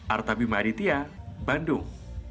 artabi mahriditya bandung